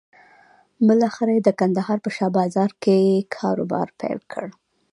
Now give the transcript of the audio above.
بالاخره یې د کندهار په شا بازار کې کاروبار پيل کړ.